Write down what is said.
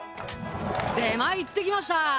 出前行ってきました！